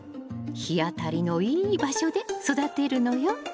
日当たりのいい場所で育てるのよ。